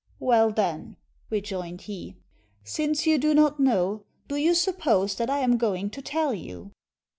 "Well, then," rejoined he, "since you do not know, do you suppose that I am going to tell you?"